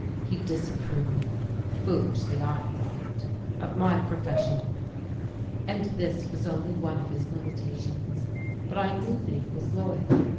He disapproved foolishly, I thought of my professional career, and this was only one of his limitations. But I knew that he was loyal.